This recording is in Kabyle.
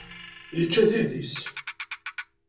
Yečča tidi-s.